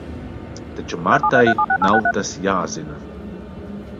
Taču Martai nav tas jāzina.